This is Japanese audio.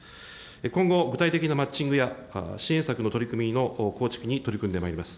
今後、具体的なマッチングや支援策の取り組みの構築に取り組んでまいります。